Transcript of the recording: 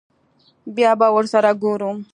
بيا به ورسره گورو.